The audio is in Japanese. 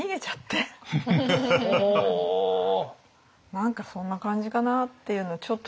何かそんな感じかなっていうのをちょっと。